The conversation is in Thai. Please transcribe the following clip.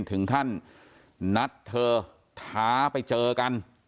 ถึงขั้นนัดเธอท้าไปเจอกัน